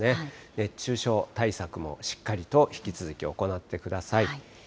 熱中症対策もしっかりと引き続き行ってください。